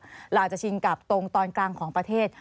เราอาจจะชินกับตรงตอนกลางของประเทศ